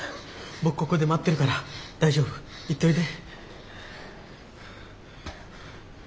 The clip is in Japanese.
僕ここで待ってるから大丈夫行っといで。